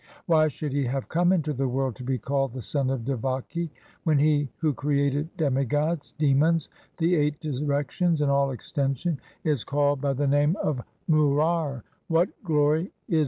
Why should He have come into the world to be called the son of Devaki ? When He who created demigods, demons, the eight directions, and all extension, Is called by the name of Murar, what glory is it to Him